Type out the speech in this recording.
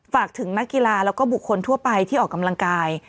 ฝากถึงนักกีฬาแล้วก็บุคคลทั่วไปที่ออกกำลังกาย